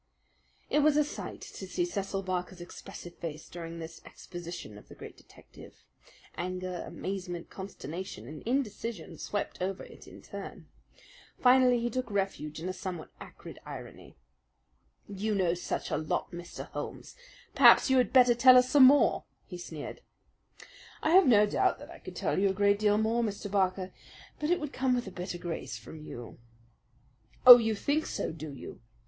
It was a sight to see Cecil Barker's expressive face during this exposition of the great detective. Anger, amazement, consternation, and indecision swept over it in turn. Finally he took refuge in a somewhat acrid irony. "You know such a lot, Mr. Holmes, perhaps you had better tell us some more," he sneered. "I have no doubt that I could tell you a great deal more, Mr. Barker; but it would come with a better grace from you." "Oh, you think so, do you?